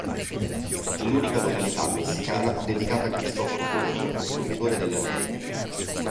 È l'unica località messicana dedicata a Cristoforo Colombo, lo scopritore delle Americhe.